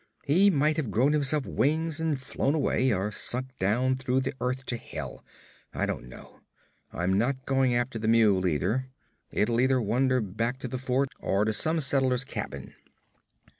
He might have grown himself wings and flown away, or sunk down through the earth to Hell. I don't know. I'm not going after the mule, either. It'll either wander back to the fort, or to some settler's cabin.'